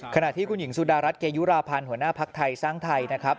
ขณะที่คุณหญิงสุดารัฐเกยุราพันธ์หัวหน้าภักดิ์ไทยสร้างไทยนะครับ